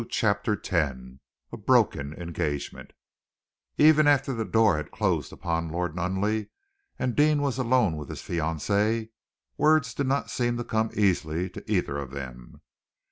CHAPTER X A BROKEN ENGAGEMENT Even after the door had closed upon Lord Nunneley, and Deane was alone with his fiancée, words did not seem to come easily to either of them.